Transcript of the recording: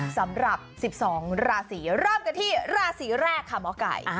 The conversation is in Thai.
สำหรับ๑๒ราศีเริ่มกันที่ราศีแรกค่ะหมอไก่